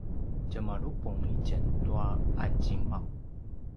tjemalupung itjen tua anzingmau